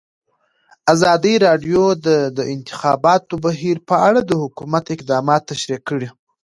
ازادي راډیو د د انتخاباتو بهیر په اړه د حکومت اقدامات تشریح کړي.